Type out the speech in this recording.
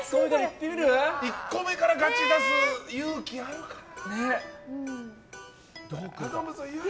１個目からガチを出す勇気あるかな。